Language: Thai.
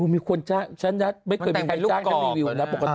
มีคนจ้างฉันนะไม่เคยมีใครจ้างก็รีวิวนะปกติ